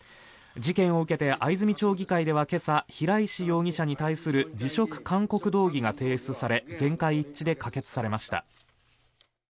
事件を受けて藍住町議会では今朝平石容疑者に対する辞職勧告動議が提出され全会一致で可決されました。